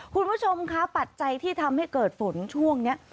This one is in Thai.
คุณผู้ชมคะปัจจัยที่ทำให้เกิดฝนช่วงนี้